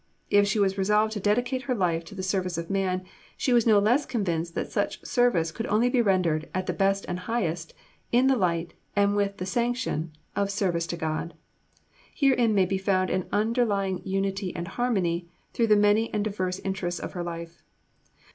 If she was resolved to dedicate her life to the Service of Man, she was no less convinced that such service could only be rendered, at the best and highest, in the light, and with the sanction, of Service to God. Herein may be found an underlying unity and harmony through the many and diverse interests of her life.